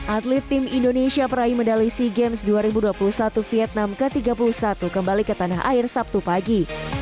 atlet tim indonesia peraih medali sea games dua ribu dua puluh satu vietnam ke tiga puluh satu kembali ke tanah air sabtu pagi